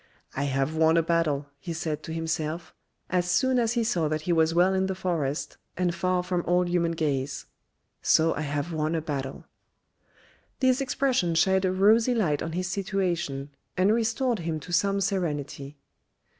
" I have won a battle," he said to himself, as soon as he saw that he was well in the forest, and far from all human gaze. " So I have won a battle." This expression shed a rosy light on his situation, and restored him to some serenity.